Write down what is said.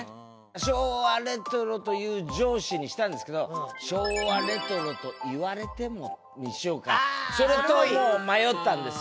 「“昭和レトロ”と言う上司」にしたんですけど「昭和レトロと言われても」にしようかそれともう迷ったんですよ。